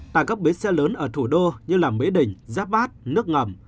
tại các bến xe lớn ở thủ đô như mỹ đình giáp bát nước ngầm